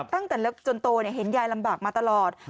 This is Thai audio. ตั้งแต่เล็กจนโตเห็นยายลำบากมาตลอด